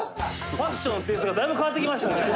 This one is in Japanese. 「ファッションのテイストがだいぶ変わってきましたね」